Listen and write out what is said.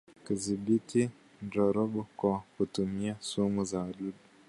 Kudhibiti ndorobo kwa kutumia sumu za wadudu